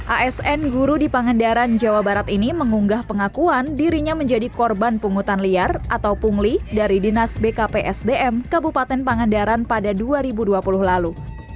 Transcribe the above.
asn guru di pangandaran jawa barat ini mengunggah pengakuan dirinya menjadi korban pungutan liar atau pungli dari dinas bkpsdm kabupaten pangandaran pada dua ribu dua puluh lalu